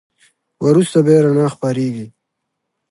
وروسته بیا رڼا خپرېږي.